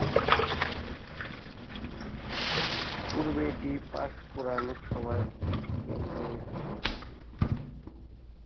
পূর্বে এটি পাঁশকুড়া লোকসভা কেন্দ্র এর অন্তর্গত ছিল।